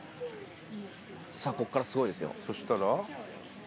こっからすごいですよそしたら？